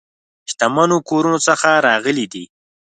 شتمنو کورونو څخه راغلي دي.